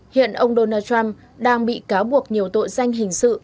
hiện ông donald trump đang bị cáo buộc nhiều tội danh hình sự